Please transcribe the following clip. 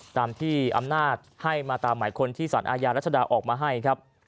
ตามที่อำนาจให้มาตามหมายคนที่สารอาญารัชดาออกมาให้ครับ